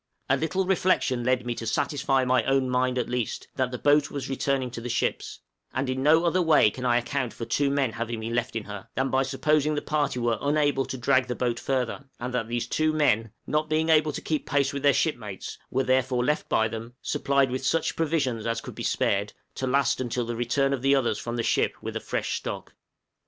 A little reflection led me to satisfy my own mind at least, that the boat was returning to the ships: and in no other way can I account for two men having been left in her, than by supposing the party were unable to drag the boat further, and that these two men, not being able to keep pace with their shipmates, were therefore left by them supplied with such provisions as could be spared to last until the return of the others from the ship with a fresh stock.